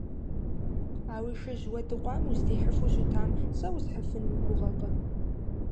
А уи шыжь уэдыкъуам уздихьыфу щытам сэ усхьыфын уи гугъэкъэ?